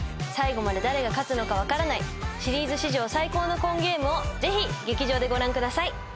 最後まで誰が勝つのか分からないシリーズ史上最高のコンゲームをぜひ劇場でご覧ください。